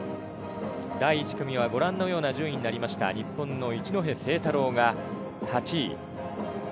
第１組はご覧のような順位になりました日本の一戸誠太郎が、８位。